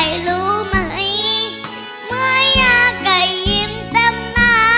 ใกล้รู้ไหมเมื่อยากใกล้ยิ้มเต็มหน้า